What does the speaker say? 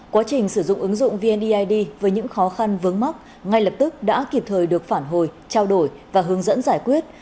quá trình sử dụng ứng dụng vneid với những khó khăn vướng mắt ngay lập tức đã kịp thời được phản hồi trao đổi và hướng dẫn giải quyết